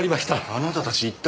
あなたたち一体。